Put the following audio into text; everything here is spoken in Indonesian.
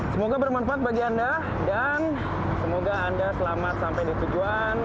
semoga bermanfaat bagi anda dan semoga anda selamat sampai di tujuan